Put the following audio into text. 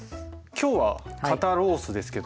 今日は肩ロースですけども。